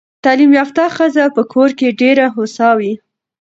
تعلیم یافته ښځه په کور کې ډېره هوسا وي.